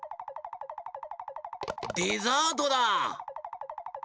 デザートだ！